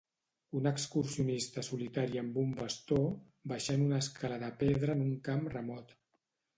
Un excursionista solitari amb un bastó baixant una escala de pedra en un camp remot.